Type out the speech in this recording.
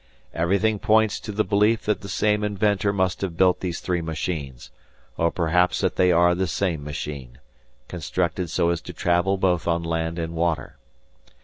"Everything points to the belief that the same inventor must have built these three machines, or perhaps that they are the same machine, constructed so as to travel both on land and water.